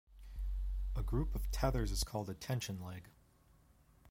A group of tethers is called a tension leg.